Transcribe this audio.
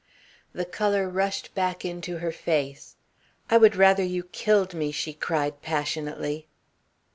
The colour rushed back into her face. "I would rather you killed me," she cried passionately.